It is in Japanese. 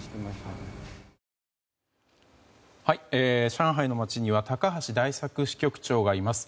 上海の街には高橋大作支局長がいます。